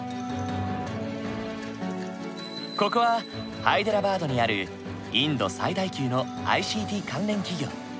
ここはハイデラバードにあるインド最大級のＩＣＴ関連企業。